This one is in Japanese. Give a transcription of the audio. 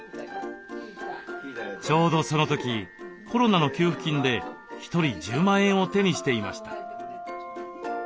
ちょうどその時コロナの給付金で１人１０万円を手にしていました。